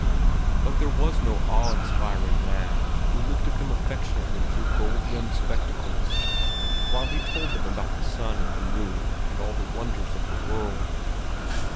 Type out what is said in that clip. But there was no awe inspiring man, who looked at them affectionately through gold rimmed spectacles while he told them about the sun and the moon and all the wonders of the world.